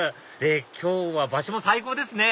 今日は場所も最高ですね